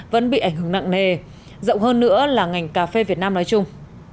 vẫn bị ảnh hưởng nặng nề rộng hơn nữa là ngành cà phê việt nam nói chung